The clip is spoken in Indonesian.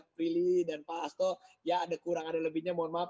prilly dan pak hasto ya ada kurang ada lebihnya mohon maaf